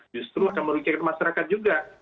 justru akan merugikan masyarakat juga